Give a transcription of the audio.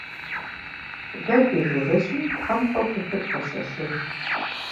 Ди дэ жыгыжьым тхьэмпэу пытыр пощэщыж.